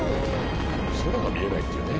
空が見えないっていうね。